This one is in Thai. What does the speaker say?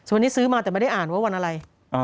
วันนี้ซื้อมาแต่ไม่ได้อ่านว่าวันอะไร